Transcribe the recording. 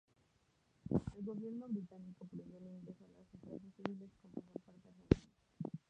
El gobierno británico prohibió el ingreso a las islas de civiles con pasaporte argentino.